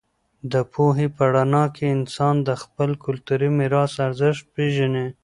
د پوهې په رڼا کې انسان د خپل کلتوري میراث ارزښت پېژني.